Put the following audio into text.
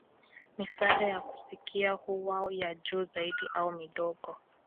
Misaada ya kusikia huwa ya juu zaidi au midogo.